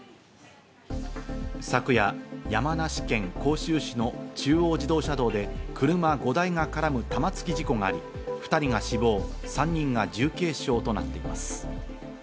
昨夜、山梨県甲州市の中央自動車道で車５台が絡む玉突き事故があり、２人が死亡、３人が重軽傷となっています。